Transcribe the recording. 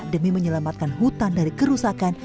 demi menyelamatkan hutan dari kerusakan